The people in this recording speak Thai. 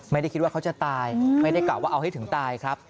ไม่ได้คิดว่าเขาจะตายไม่ได้กล่าวว่าเอาให้ถึงตายครับ